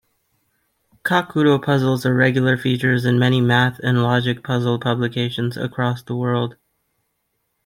Kakuro puzzles are regular features in many math-and-logic puzzle publications across the world.